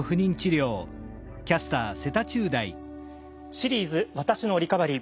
「シリーズ私のリカバリー」。